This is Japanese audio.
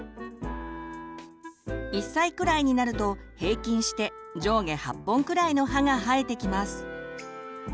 １歳くらいになると平均して上下８本くらいの歯が生えてきます。